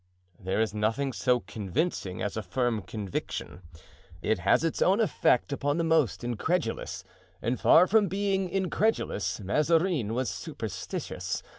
There is nothing so convincing as a firm conviction. It has its own effect upon the most incredulous; and far from being incredulous, Mazarin was superstitious.